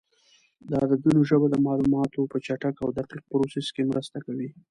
د عددونو ژبه د معلوماتو په چټک او دقیق پروسس کې مرسته کوي.